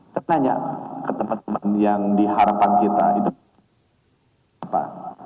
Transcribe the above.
saya tanya ke teman teman yang diharapan kita itu apa